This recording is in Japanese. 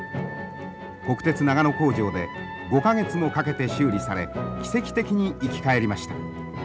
国鉄長野工場で５か月もかけて修理され奇跡的に生き返りました。